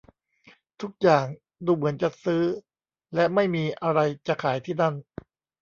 ทุกอย่างดูเหมือนจะซื้อและไม่มีอะไรจะขายที่นั่น